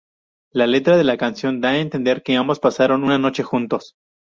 La letra de la canción da a entender que ambos pasaron una noche juntos.